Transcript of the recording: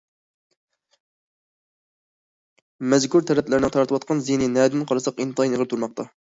مەزكۇر تەرەپلەرنىڭ تارتىۋاتقان زىيىنى نەدىن قارىساق ئىنتايىن ئېغىر تۇرماقتا.